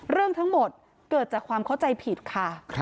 เรื่องทั้งหมดเกิดจากความเข้าใจผิดค่ะ